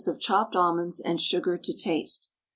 of chopped almonds, and sugar to taste.